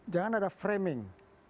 jangan ada framing